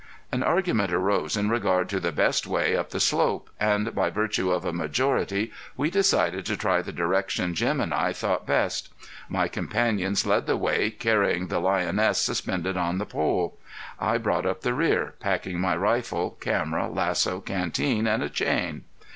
An argument arose in regard to the best way up the slope, and by virtue of a majority we decided to try the direction Jim and I thought best. My companions led the way, carrying the lioness suspended on the pole. I brought up the rear, packing my rifle, camera, lasso, canteen and a chain.